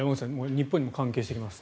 日本にも関係してきます